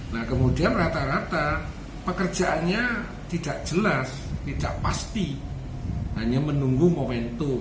nah kemudian rata rata pekerjaannya tidak jelas tidak pasti hanya menunggu momentum